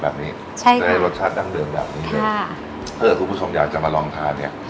แบบนี้ใช่ค่ะจะได้รสชาติดั้งเดิมแบบนี้เลยค่ะถ้าคุณผู้ชมอยากจะมาลองทานเนี้ย